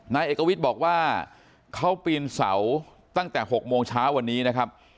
นายเอกวิทย์บอกว่าเขาปีนเสาตั้งแต่๖โมงเช้าวันนี้นะครับ